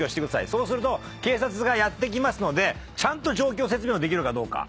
そうすると警察がやって来ますので状況説明をできるかどうか。